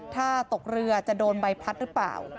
ถ้าตกเรือจะโดนใบพัดหรือเปล่า